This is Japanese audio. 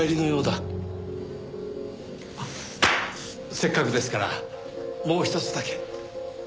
せっかくですからもうひとつだけ。